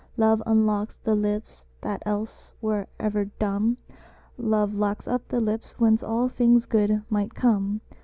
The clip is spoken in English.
Love unlocks the lips that else were ever dumb: "Love locks up the lips whence all things good might come."